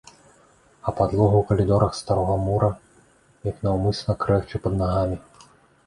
А падлога ў калідорах старога мура як наўмысна крэхча пад нагамі.